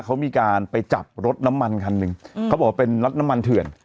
เขามีการไปจับรถน้ำมันคันหนึ่งเขาบอกว่าเป็นรถน้ำมันเถื่อน